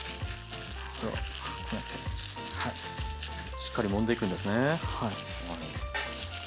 しっかりもんでいくんですね。